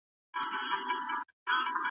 ما پخوا دا ډول مهارتونه زده کړي وو.